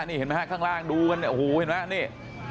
นี่เห็นไหมฮะข้างล่างดูกันอูหูเห็นไหมนี่